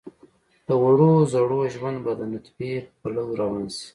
د وړو زړو ژوند به د نطفې پلو روان شي.